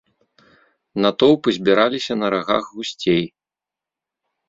Натоўпы збіраліся на рагах гусцей.